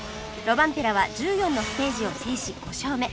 ロバンペラは１４のステージを制し５勝目